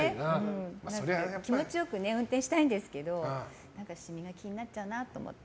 気持ちよく運転したいんですけどシミが気になっちゃうなって思って。